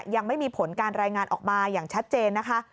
ยังไม่มีผลการรายงานออกมาอย่างชัดเจนนะคะ